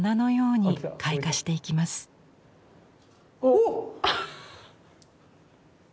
おっ！